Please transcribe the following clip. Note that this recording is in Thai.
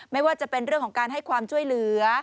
ไม่ว่าจะเป็นเรื่องของการให้ความช่วยเหลือ